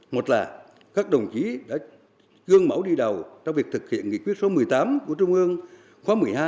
một là các đồng chí đã gương mẫu đi đầu trong việc thực hiện nghị quyết số một mươi tám của trung ương khóa một mươi hai